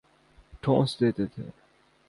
ﭨﮭﻮﻧﺲ ﺩﯾﺘﮯ ﺗﮭﮯ